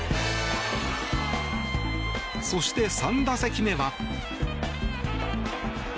そして３打席目は。